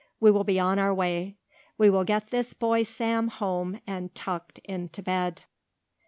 We will be on our way. We will get this boy Sam home and tucked into bed."